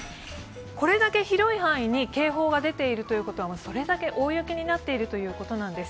これだけ広い範囲に警報が出ているということでそれだけ大雪になっているということなんです。